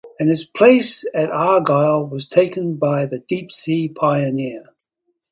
And its place at Argyll was taken by the "Deepsea Pioneer".